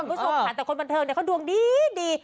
คุณผู้ชมค่ะแต่คนบันเทิงเนี่ยเขาดวงดี